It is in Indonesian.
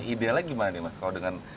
idealnya gimana nih mas kalau dengan